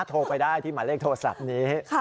โทรไปได้ที่หมายเลขโทรศัพท์นี้